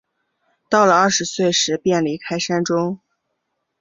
到了二十岁时便离开山中。